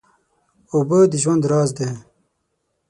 اوبه د ژوند راز دی.